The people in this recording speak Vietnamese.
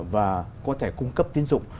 và có thể cung cấp tiêu dụng